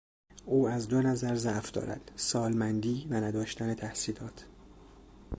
او از دو نظر ضعف دارد: سالمندی و نداشتن تحصیلات.